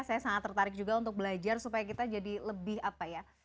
saya sangat tertarik juga untuk belajar supaya kita jadi lebih apa ya